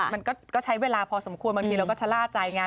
มันก็ใช้เวลาพอสมควรมันก็ชะล่าจ่ายงาน